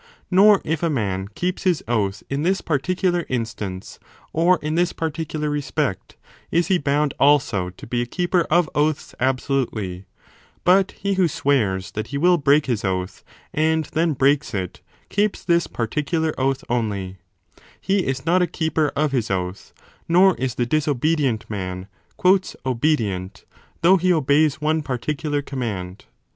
Nor if a man keeps his oath in this particular instance or in this particular respect, is he bound also to be a keeper of oaths absolutely, but he who swears i8o b that he will break his oath, and then breaks it, keeps this particular oath only ; he is not a keeper of his oath : nor is the disobedient man obedient , though he obeys one particular command.